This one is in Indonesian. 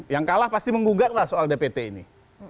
yang kalah pasti menggugat lah soal dpt ini